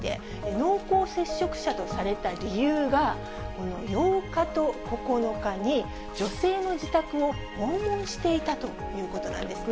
濃厚接触者とされた理由が、この８日と９日に、女性の自宅を訪問していたということなんですね。